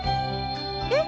えっ？